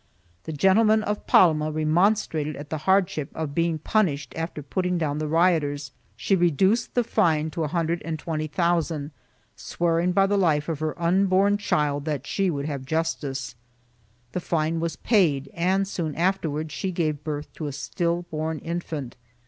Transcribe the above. The gen tlemen of Palma remonstrated at the hardship of being punished after putting down the rioters; she reduced the fine to 120,000, swearing by the life of her unborn child that she would have justice. The fine was paid and soon afterwards she gave birth to a still born infant.